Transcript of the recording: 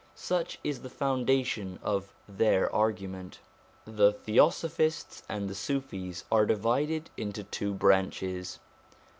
Such is the foundation of their argument. The Theosophists and the Sufis are divided into two branches.